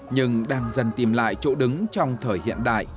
nhưng đang dần tìm lại chỗ đứng trong thời hiện đại